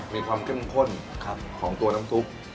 มีความเข้มข้นของตัวน้ำซุป